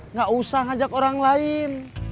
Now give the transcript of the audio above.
nggak usah ngajak orang lain